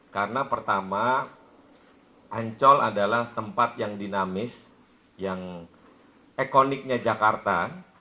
karena pertama ancol adalah tempat yang dinamis yang ikoniknya jakarta